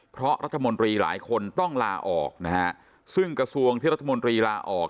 เพราะรัฐมนตรีหลายคนต้องลาออกนะฮะซึ่งกระทรวงที่รัฐมนตรีลาออก